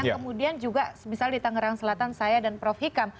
kemudian juga misalnya di tangerang selatan saya dan prof hikam